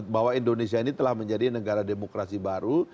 bahwa indonesia ini telah menjadi negara demokrasi baru